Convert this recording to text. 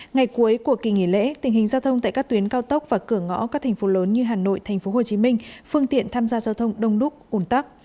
ngày cuối của kỳ nghỉ lễ tình hình giao thông tại các tuyến cao tốc và cửa ngõ các thành phố lớn như hà nội tp hcm phương tiện tham gia giao thông đông đúc ổn tắc